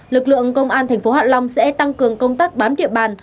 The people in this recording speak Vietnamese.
lực lượng công an tp hạ long sẽ tăng cường công tác bám địa bàn